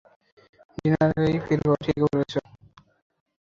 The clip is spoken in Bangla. ডিনারের আগেই ফিরব, ঠিক আছে?